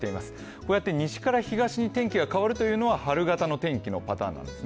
こうやって西から東に天気が変わるというのは、春型の天気のパターンなんですね。